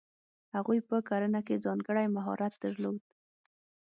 هغوی په کرنه کې ځانګړی مهارت درلود.